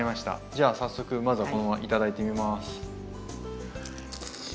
じゃあ早速まずはこのまま頂いてみます。